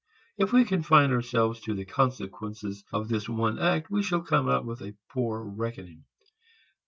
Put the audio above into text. If we confine ourselves to the consequences of this one act we shall come out with a poor reckoning.